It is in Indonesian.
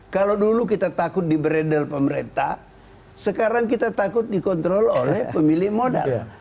kalau dulu kita takut di bredel pemerintah sekarang kita takut dikontrol oleh pemilik modal